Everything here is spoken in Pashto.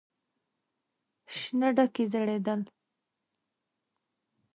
شنه ډکي ځړېدل.